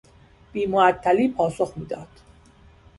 بیمعطلی پاسخ میداد.